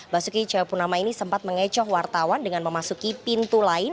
basuki cahayapunama ini sempat mengecoh wartawan dengan memasuki pintu lain